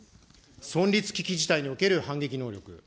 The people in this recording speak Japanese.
存立危機事態における反撃能力。